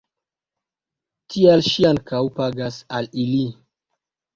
Tial ŝi ankaŭ pagas al ili.